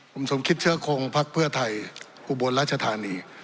ผมสมคิดเชื้อโครงภักดิ์เพื่อไทยอุบวนรัชฐานี